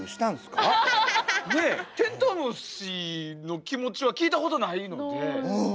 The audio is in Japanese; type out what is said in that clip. テントウムシの気持ちは聞いたことないので。